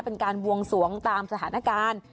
เป็นการบวงสวงตามสถานการณ์